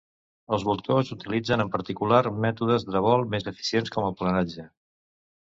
Els voltors utilitzen, en particular, mètodes de vol més eficients com el planatge.